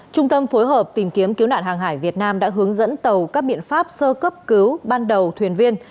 trung tâm phối hợp tìm kiếm cứu nạn hàng hải việt nam đã hướng dẫn tàu các biện pháp sơ cấp cứu ban đầu thuyền viên